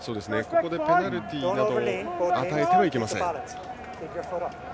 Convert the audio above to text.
ここでペナルティーなどを与えてはいけません。